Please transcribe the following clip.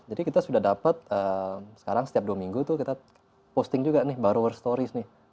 jadi kita sudah dapat sekarang setiap dua minggu tuh kita posting juga nih borrower stories nih